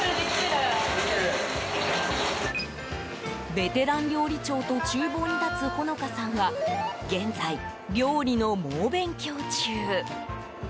ベテラン料理長と厨房に立つ穂乃花さんは現在、料理の猛勉強中。